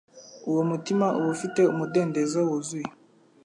uwo mutima uba ufite umudendezo wuzuye.